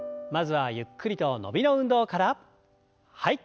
はい。